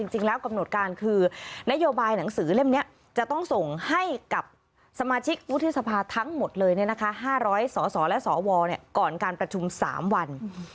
จริงแล้วกำหนดการคือนโยบายหนังสือเล่มนี้จะต้องส่งให้กับสมาชิกวุฒิสภาทั้งหมดเลย๕๐๐สสและสวก่อนการประชุม๓วัน